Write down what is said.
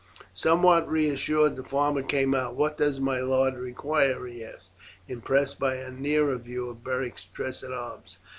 Somewhat reassured, the farmer came out. "What does my lord require?" he asked, impressed by a nearer view of Beric's dress and arms.